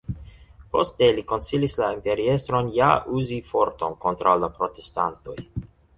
Poste li konsilis la imperiestron ja uzi forton kontraŭ la protestantoj.